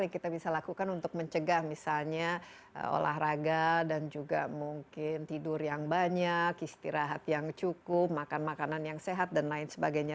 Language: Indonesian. yang kita bisa lakukan untuk mencegah misalnya olahraga dan juga mungkin tidur yang banyak istirahat yang cukup makan makanan yang sehat dan lain sebagainya